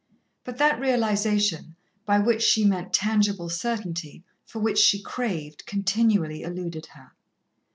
But that realization, by which she meant tangible certainty, for which she craved, continually eluded her.